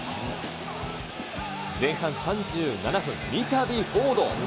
前半３７分、みたびフォード。